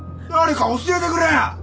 誰か教えてくれよ！